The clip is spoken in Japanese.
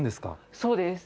そうです。